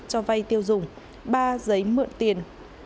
cho vay tiêu dùng ba giấy mượn tiền